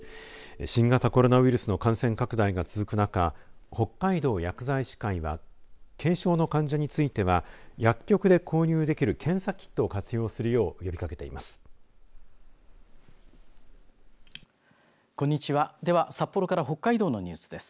新型コロナウイルスの感染拡大が続く中北海道薬剤師会は軽症の患者については薬局で購入できる検査キットを活用するよう呼びかけています。